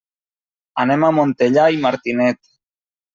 Anem a Montellà i Martinet.